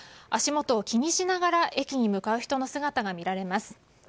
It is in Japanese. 足元を気にしながら駅に向かう人の姿がみられます。